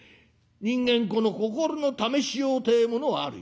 人間この心の試しようてえものはあるよ。